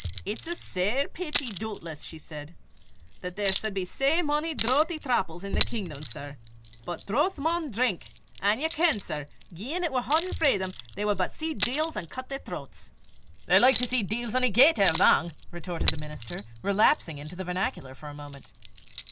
"It's a sair peety, doobtless," she said, "'at there sud be sae mony drouthie thrapples i' the kingdom, sir; but drouth maun drink, an' ye ken, sir, gien it war hauden frae them, they wad but see deils an' cut their throts." "They're like to see deils ony gait er lang," retorted the minister, relapsing into the vernacular for a moment.